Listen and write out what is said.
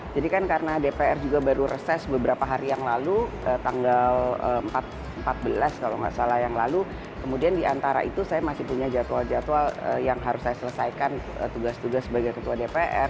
jadi kan karena dpr juga baru reses beberapa hari yang lalu tanggal empat belas kalau nggak salah yang lalu kemudian di antara itu saya masih punya jadwal jadwal yang harus saya selesaikan tugas tugas sebagai ketua dpr